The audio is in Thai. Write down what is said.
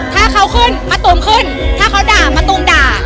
ถ้าเขาขึ้นมะตูมขึ้นถ้าเขาด่ามะตูมด่า